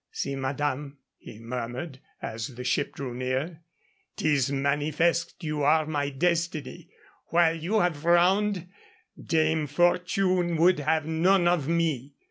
"See, madame," he murmured as the ship drew near. "'Tis manifest you are my destiny. While you have frowned, Dame Fortune would have none of me.